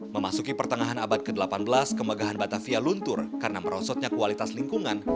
memasuki pertengahan abad ke delapan belas kemegahan batavia luntur karena merosotnya kualitas lingkungan